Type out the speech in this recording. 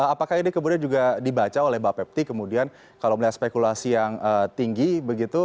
apakah ini kemudian juga dibaca oleh mbak pepty kemudian kalau melihat spekulasi yang tinggi